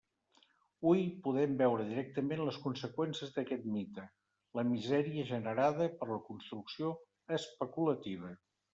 Hui podem veure directament les conseqüències d'aquest mite: la misèria generada per la construcció especulativa.